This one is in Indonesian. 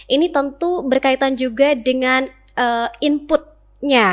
ini tentu berkaitan juga dengan inputnya